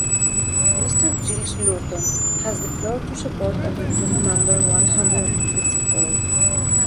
Mister Gilles Lurton has the floor to support amendment number one hundred and fifty-four.